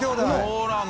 そうなんだ。